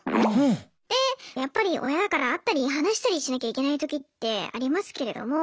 でやっぱり親だから会ったり話したりしなきゃいけないときってありますけれども。